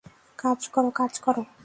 কাজ কর, কাজ কর!